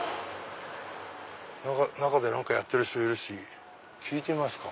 中で何かやってる人いるし聞いてみますか。